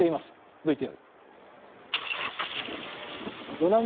ＶＴＲ。